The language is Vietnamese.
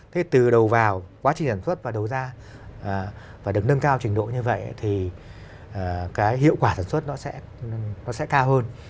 thế từ đầu vào quá trình sản xuất và đầu ra và được nâng cao trình độ như vậy thì cái hiệu quả sản xuất nó sẽ cao hơn